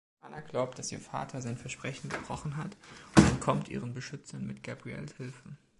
Anna glaubt, dass ihr Vater sein Versprechen gebrochen hat, und entkommt ihren Beschützern mit Gabrielles Hilfe.